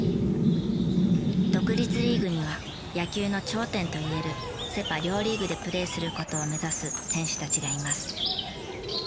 独立リーグには野球の頂点と言えるセ・パ両リーグでプレーする事を目指す選手たちがいます。